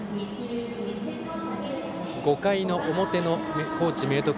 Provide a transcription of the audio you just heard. ５回の表の明徳